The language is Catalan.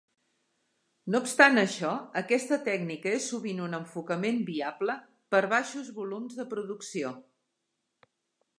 No obstant això, aquesta tècnica és sovint un enfocament viable per baixos volums de producció.